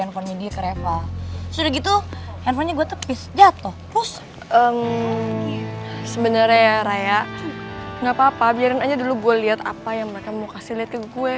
kok lo sempet sempetin jenguk gue sih